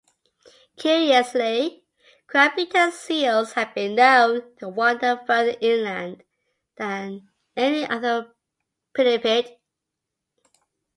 Curiously, crabeater seals have been known to wander further inland than any other pinniped.